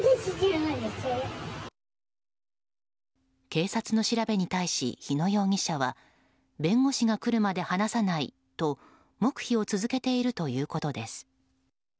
警察の調べに対し日野容疑者は弁護士が来るまで話さないと黙秘を続けているということです。